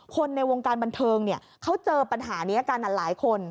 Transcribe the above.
คนในวงการบันเทิงเขาเจอปัญหานี้กันหลายคน